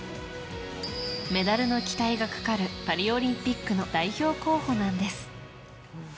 メダルの期待がかかるパリオリンピックの代表候補なんです。